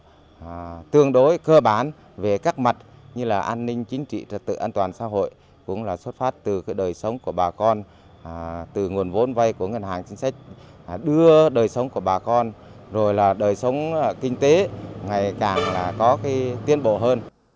hiện nay tình hình của xã nhà xã na chúng tôi đảm bảo tương đối cơ bản về các mặt như là an ninh chính trị trật tự an toàn xã hội cũng là xuất phát từ đời sống của bà con từ nguồn vốn vay của ngân hàng chính sách đưa đời sống của bà con rồi là đời sống kinh tế ngày càng có tiến bộ hơn